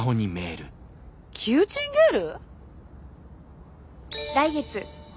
キウチンゲール？